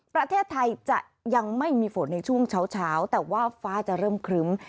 ประเทศไทยจะยังไม่มีฝนในช่วงเช้าแต่ว่าฟ้าจะเริ่มครึ้ม